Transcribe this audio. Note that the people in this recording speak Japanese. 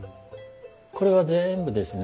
これは全部ですね